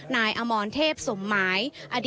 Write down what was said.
นายอมรเทพนาย